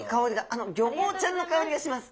あのギョボウちゃんの香りがします。